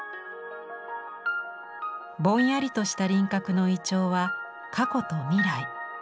ぼんやりとした輪郭のイチョウは過去と未来。